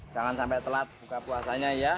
jangan sampai telat buka puasanya ya